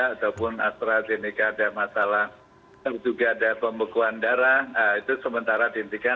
ataupun astrazeneca ada masalah juga ada pembekuan darah itu sementara dihentikan